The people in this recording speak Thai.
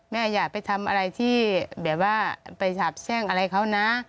อย่าไปทำอะไรที่แบบว่าไปสาบแช่งอะไรเขานะ